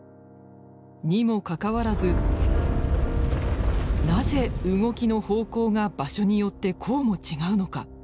にもかかわらずなぜ動きの方向が場所によってこうも違うのか。